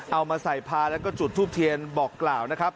เอามาใส่พาแล้วก็จุดทูปเทียนบอกกล่าวนะครับ